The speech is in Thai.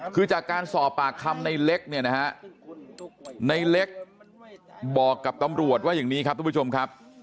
คือจากการสอบปากคำในเล็กเนี่ยนะฮะในเล็กบอกกับตำรวจว่าอย่างนี้ครับทุกผู้ชมครับ